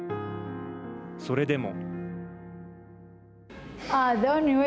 それでも。